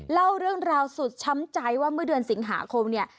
เล่าเรื่องราวสุดช้ำใจว่าเมื่อเดือนสิงหาคมเนี่ย